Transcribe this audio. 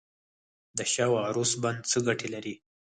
د شاه و عروس بند څه ګټه لري؟